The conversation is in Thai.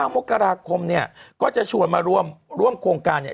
มกราคมเนี่ยก็จะชวนมาร่วมโครงการเนี่ย